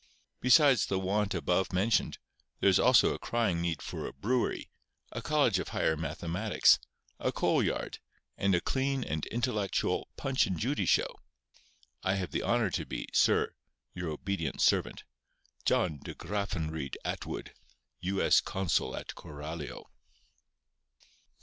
Besides the want above mentioned, there is also a crying need for a brewery, a college of higher mathematics, a coal yard, and a clean and intellectual Punch and Judy show. I have the honour to be, sir, Your Obt. Servant, JOHN DE GRAFFENREID ATWOOD, U. S. Consul at Coralio.